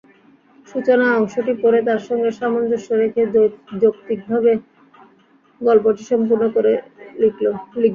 সূচনা অংশটি পড়ে তার সঙ্গে সামঞ্জস্য রেখে যৌক্তিকভাবে গল্পটি সম্পূর্ণ করে লিখবে।